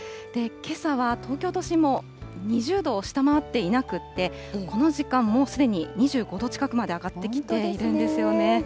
けさは東京都心も２０度を下回っていなくって、この時間、もうすでに２５度近くまで上がってきているんですよね。